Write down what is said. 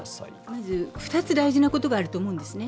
まず、２つ大事なことがあると思うんですね。